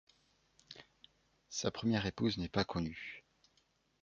Sa première épouse n’est pas connue.